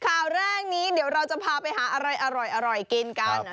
ข่าวแรกนี้เดี๋ยวเราจะพาไปหาอะไรอร่อยกินกัน